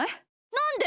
なんで？